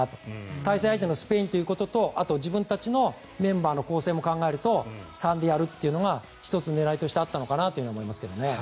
対戦相手、スペインということとあと自分たちのメンバーの構成も考えると３でやるというのが１つ狙いとしてあったのかなと思いますがね。